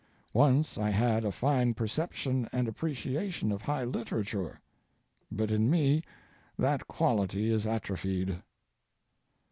Once I had a fine perception and appreciation of high literature, but in me that quality is atrophied.